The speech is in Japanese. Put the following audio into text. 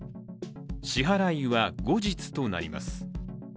支払いは後日となります。